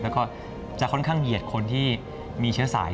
แล้วก็จะค่อนข้างเหยียดคนที่มีเชื้อสาย